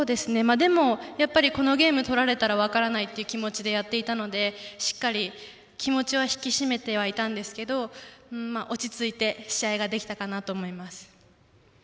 でも、やっぱりこのゲーム取られたら分からないという気持ちでやっていたのでしっかり、気持ちは引き締めてはいたんですけど落ち着いて試合ができたかなと思います。